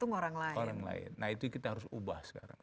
nah itu kita harus ubah sekarang